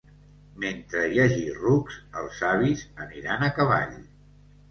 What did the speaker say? Mentre hi hagi rucs, els savis aniran a cavall.